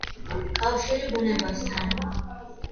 კავშირი ბუნებასთან.